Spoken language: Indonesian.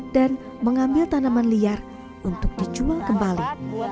dan mengambil tanaman liar untuk dijual kembali